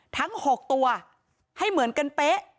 ทั้ง๖ตัวให้เหมือนกันเป๊ะ